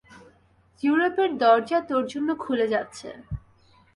ইউরোপের দরজা তোর জন্য খুলে যাচ্ছে।